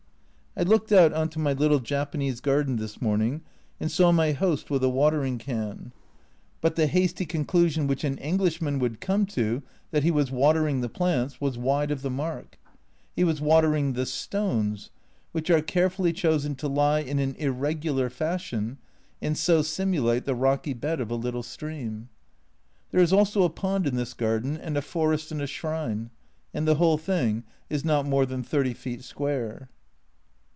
I looked out on to my little Japanese garden this morning and saw my host with a watering can, but 64 A Journal from Japan the hasty conclusion which an Englishman would come to, that he was watering the plants, was wide of the mark he was watering the stones, which are care fully chosen to lie in an irregular fashion, and so simulate the rocky bed of a little stream. There is also a pond in this garden, and a forest and a shrine, and the whole thing is not more than 30 feet square.